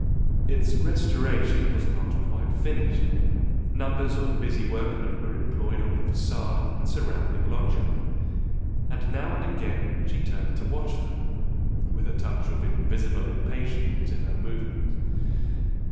Its "restoration" was not quite finished; numbers of busy workmen were employed on the facade and surrounded loggia; and now and again she turned to watch them with a touch of invisible impatience in her movement.